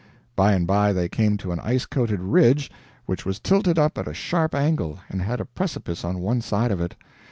By and by they came to an ice coated ridge which was tilted up at a sharp angle, and had a precipice on one side of it.